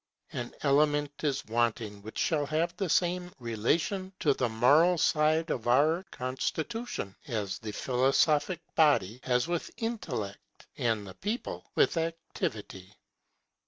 An element is wanting which shall have the same relation to the moral side of our constitution, as the philosophic body has with Intellect, and the people with Activity.